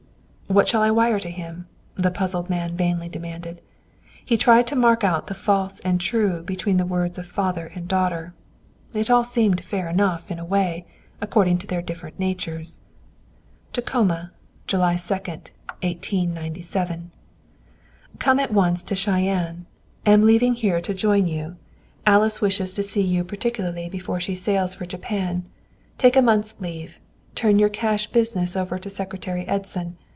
"What shall I wire to him?" the puzzled man vainly demanded. He tried to mark out the false and true between the words of father and daughter. It all seemed fair enough in a way, according to their different natures. "Tacoma, July 2, 1897. "Come at once to Cheyenne. Am leaving here to join you. Alice wishes to see you particularly before she sails for Japan. Take a month's leave. Turn your cash business over to Secretary Edson.